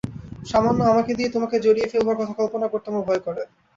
সামান্য আমাকে দিয়ে তোমাকে জড়িয়ে ফেলবার কথা কল্পনা করতে আমার ভয় করে।